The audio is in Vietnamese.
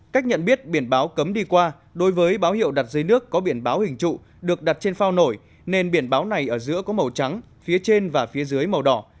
cách nhận biết biển báo cấm đi qua đối với báo hiệu đặt dưới nước có biển báo hình trụ được đặt trên phao nổi nên biển báo này ở giữa có màu trắng phía trên và phía dưới màu đỏ